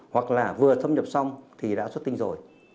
hoặc là vừa thâm nhập xong thì đã xuất tinh rồi